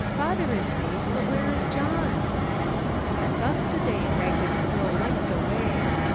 Father is safe; but where is John?" Thus the day dragged its slow length away.